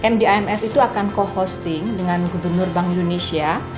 mdimf itu akan co hosting dengan gubernur bank indonesia